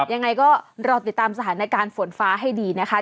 ยังไงก็รอติดตามสถานการณ์ฝนฟ้าให้ดีนะคะ